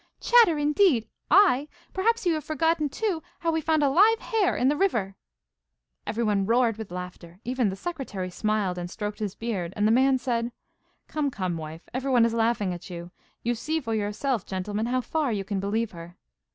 'Chatter, indeed? I!! Perhaps you have forgotten, too, how we found a live hare in the river?' Everyone roared with laughter; even the secretary smiled and stroked his beard, and the man said: 'Come, come, wife, everyone is laughing at you. You see for yourself, gentlemen, how far you can believe her.